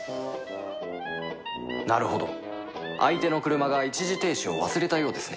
なるほど相手の車が一時停止を忘れたようですね